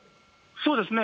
そうですね。